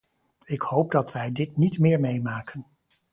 Ik hoop dat wij dit niet meer meemaken.